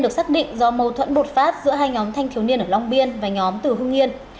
đây là hai nhóm thanh thiếu niên ở long biên và nhóm từ hương yên